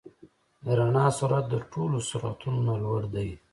د رڼا سرعت د ټولو سرعتونو نه لوړ دی.